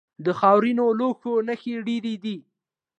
د خاورینو لوښو نښې ډیرې دي